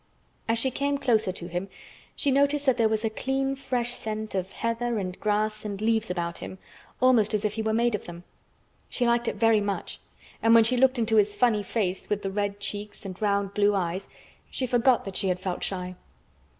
As she came closer to him she noticed that there was a clean fresh scent of heather and grass and leaves about him, almost as if he were made of them. She liked it very much and when she looked into his funny face with the red cheeks and round blue eyes she forgot that she had felt shy.